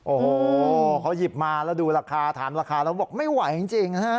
โอ้โหเขาหยิบมาแล้วดูราคาถามราคาแล้วบอกไม่ไหวจริงนะฮะ